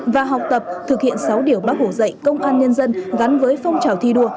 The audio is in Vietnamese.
và học tập thực hiện sáu điều bác hổ dạy công an nhân dân gắn với phong trào thi đua